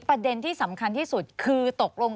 ประเด็นที่สำคัญที่สุดคือตกลง